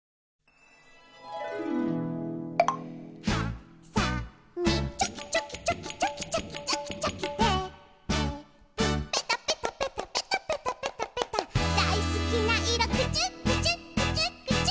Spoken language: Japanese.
「はさみチョキチョキチョキチョキチョキチョキチョキ」「テープペタペタペタペタペタペタペタ」「だいすきないろクチュクチュクチュクチュ」